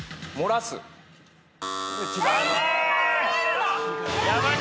残念。